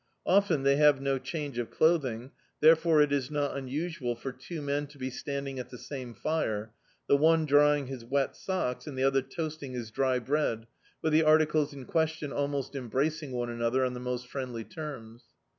Often they have no change of clothing, therefore it is not unusual for two men to be standing at the same fire, the one drying his wet socks and the other toasting his dry bread, with the articles in quesrion almost embracing one another on the most friendly terms.